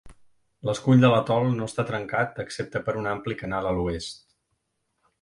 L'escull de l'atol no està trencat excepte per un ampli canal a l'oest.